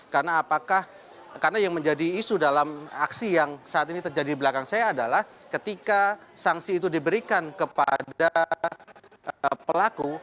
karena apakah karena yang menjadi isu dalam aksi yang saat ini terjadi di belakang saya adalah ketika sanksi itu diberikan kepada pelaku